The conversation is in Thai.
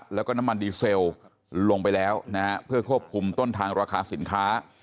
แล้วก็น้ำมันดีเซลลงไปแล้วนะฮะเพื่อควบคุมต้นทางราคาสินค้า